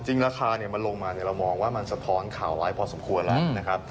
จริงราคามันลงมาเรามองว่าสะผอนข่าวล้ายพอสมควรละ